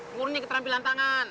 ngurni ke terampilan tangan